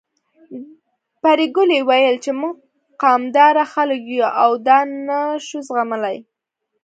پري ګلې ويل چې موږ قامداره خلک يو او دا نه شو زغملی